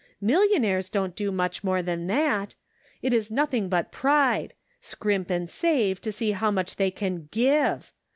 Millionaires don't do much more than that. It is nothing but pride ; scrimp and save to see how much they can give.